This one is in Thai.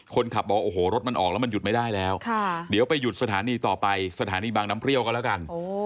คนขับบอกโอ้โหรถมันออกแล้วมันหยุดไม่ได้แล้วเดี๋ยวไปหยุดสถานีต่อไปสถานีบางน้ำเปรี้ยวก็แล้วกัน